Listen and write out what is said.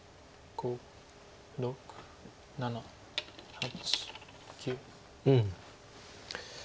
５６７８。